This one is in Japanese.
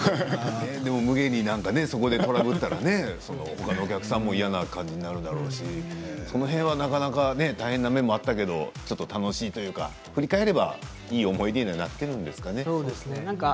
これでトラブったらほかのお客さんも嫌な感じになるだろうし、その辺はなかなか大変な面もあっただろうけど楽しいというか振り返ればいい思い出にはそうですね。